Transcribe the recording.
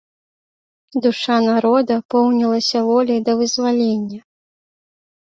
Душа народа поўнілася воляй да вызвалення.